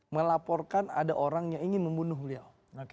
melaporkan ada orang yang ingin membunuh beliau